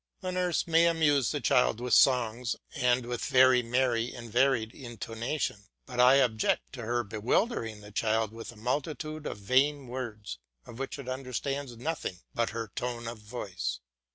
The nurse may amuse the child with songs and with very merry and varied intonation, but I object to her bewildering the child with a multitude of vain words of which it understands nothing but her tone of voice.